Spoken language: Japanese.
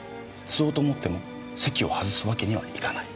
吸おうと思っても席を外すわけにはいかない。